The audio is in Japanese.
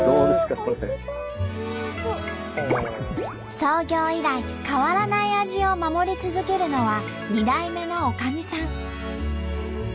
創業以来変わらない味を守り続けるのは２代目のおかみさん。